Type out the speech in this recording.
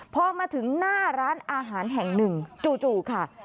พอมาถึงหน้าร้านอาหารแห่งหนึ่งจู่ค่ะ